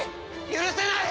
許せない！